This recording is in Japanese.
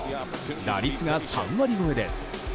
打率が３割超えです。